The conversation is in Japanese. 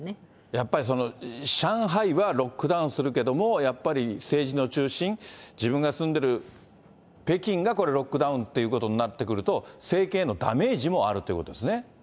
やっぱり、上海はロックダウンするけども、やっぱり政治の中心、自分が住んでる北京が、これ、ロックダウンっていうことになってくると、政権へのダメージもあるということですね。